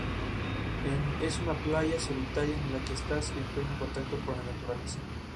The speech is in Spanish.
Es una playa solitaria en la que estás en pleno contacto con la naturaleza.